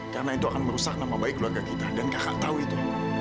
karena itu akan merusak nama baik keluarga kita dan kakak tahu itu